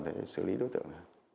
để xử lý đối tượng